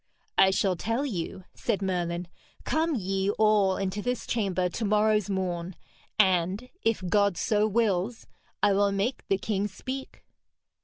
'I shall tell you,' said Merlin. 'Come ye all into this chamber to morrow's morn, and, if God so wills, I will make the king speak.'